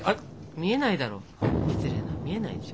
見えないだろ失礼な見えないでしょ。